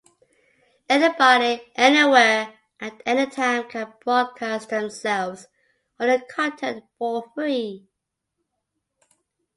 Anybody, anywhere, at any time can broadcast themselves or their content for free.